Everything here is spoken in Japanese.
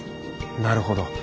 なるほど。